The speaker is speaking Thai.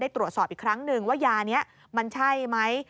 ตรวจสอบอีกครั้งหนึ่งว่ายานี้มันใช่ไหม